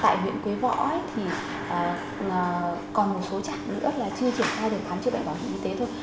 tại huyện quế võ thì còn một số trạm nữa là chưa triển khai được khám chữa bệnh bảo hiểm y tế thôi